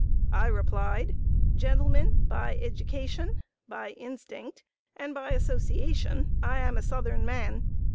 I replied: 'Gentlemen, by education, by instinct, and by association, I am a Southern man.